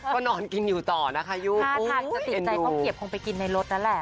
ก็นอนกินอยู่ต่อนะคะอยู่ใครจะติดใจข้าวเกียบคงไปกินในรถนั่นแหละ